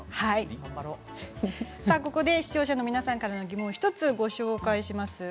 ここで視聴者の皆さんからの疑問を１つご紹介します。